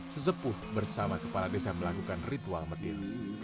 sezepuh bersama kepala desa melakukan ritual metil